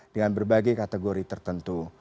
dengan berbagai kategori tertentu